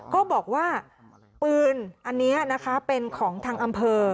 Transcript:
ก็บอกว่าปืนอันนี้นะคะเป็นของทางอำเภอ